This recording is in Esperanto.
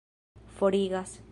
forigas